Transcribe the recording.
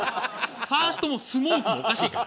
ファーストもスモークもおかしいから。